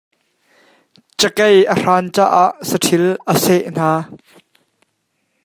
Cakei a hran caah saṭil a seh hna.